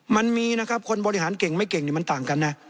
มันมีนะครับคนบริหารเก่งไม่เก่งมันต่างกันนะ